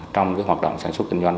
trong cái hoạt động sản xuất kinh doanh